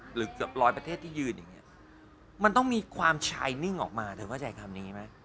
เกือบร้อยประเทศที่ยืนอย่างนี้มันต้องมีความชายนิ่งออกมาเธอเข้าใจคำนี้ไหม